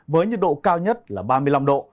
với nhiệt độ cao nhất là ba mươi năm độ